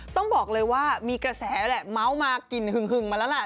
ต้องบอกเลยว่ามีกระแสแหละเมาส์มากลิ่นหึงมาแล้วแหละ